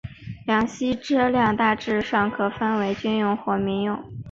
两栖车辆大致上可分为军用及民用。